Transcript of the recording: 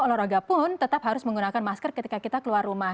olahraga pun tetap harus menggunakan masker ketika kita keluar rumah